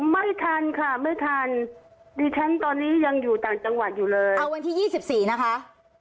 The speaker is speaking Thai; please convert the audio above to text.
ไม่ทันค่ะไม่ทันดิฉันตอนนี้ยังอยู่ต่างจังหวัดอยู่เลยเอาวันที่๒๔นะคะ